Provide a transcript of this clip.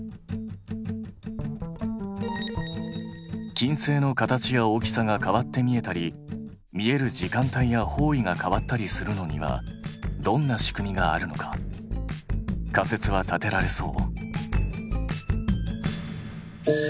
金星の形や大きさが変わって見えたり見える時間帯や方位が変わったりするのにはどんな仕組みがあるのか仮説は立てられそう？